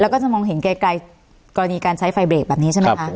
แล้วก็จะมองเห็นไกลกรณีการใช้ไฟเบรกแบบนี้ใช่ไหมคะ